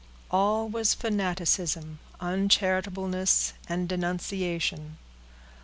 All was fanaticism, uncharitableness, and denunciation.